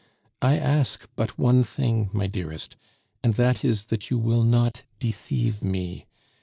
"I ask but one thing, my dearest, and that is that you will not deceive me.